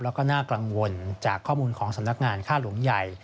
แล้วก็น่ากังวลจากข้อมูลของสำนักงานฆ่าหลวงใหญ่